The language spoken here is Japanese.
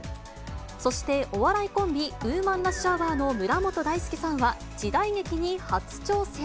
そして、お笑いコンビ、ウーマンラッシュアワーの村本大輔さんは、時代劇に初挑戦。